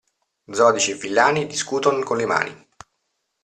Zotici e villani discuton con le mani.